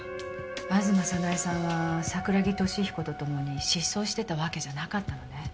吾妻早苗さんは桜木敏彦とともに失踪してたわけじゃなかったのね。